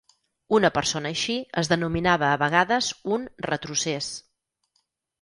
Una persona així es denominava a vegades un "retrocés".